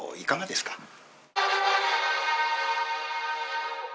いかがですか？